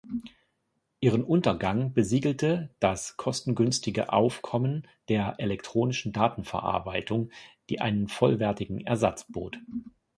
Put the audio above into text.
Ihren Untergang besiegelte das kostengünstige Aufkommen der elektronischen Datenverarbeitung, die einen vollwertigen Ersatz bot.